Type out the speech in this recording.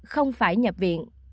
không phải nhập viện